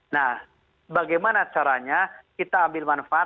nah bagaimana caranya kita ambil manfaat